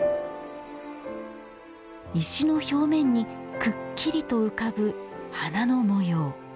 石の表面にくっきりと浮かぶ花の模様。